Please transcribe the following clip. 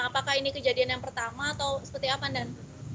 apakah ini kejadian yang pertama atau seperti apandan